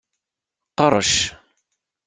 Qerrec.